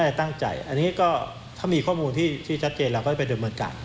เราก็จะไปโดนบัญชาการ